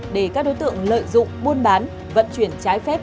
để các đối tượng lợi dụng buôn bán vận chuyển trái phép